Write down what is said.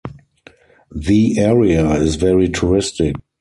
The area is very touristic.